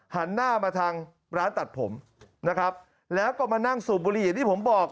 หันหน้ามาทางร้านตัดผมนะครับแล้วก็มานั่งสูบบุหรี่อย่างที่ผมบอก